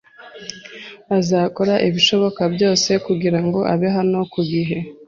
Azakora ibishoboka byose kugirango abe hano ku gihe.